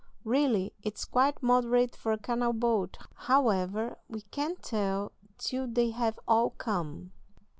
Really, it's quite moderate for a canal boat. However, we can't tell till they have all come."